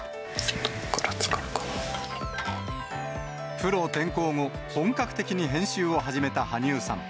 プロ転向後、本格的に編集を始めた羽生さん。